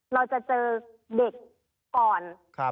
เราจะเจอเด็กก่อน